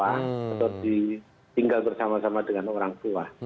atau tinggal bersama sama dengan orang tua